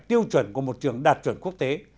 tiêu chuẩn của một trường đạt chuẩn quốc tế